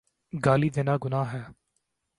گالی دینا گناہ ہے۔